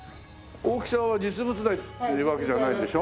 大きさは実物大っていうわけじゃないでしょ？